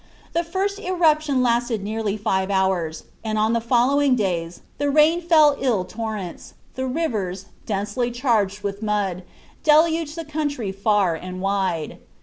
The first eruption lasted nearly five hours; and on the following days the rain fell in torrents, and the rivers, densely charged with mud, deluged the country far and wide.